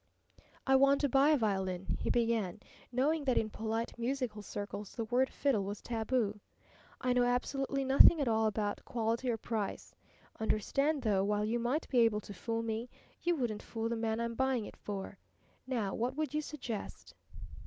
"I want to buy a violin," he began, knowing that in polite musical circles the word fiddle was taboo. "I know absolutely nothing at all about quality or price. Understand, though, while you might be able to fool me, you wouldn't fool the man I'm buying it for. Now what would you suggest?"